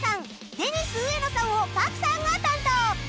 デニス植野さんを朴さんが担当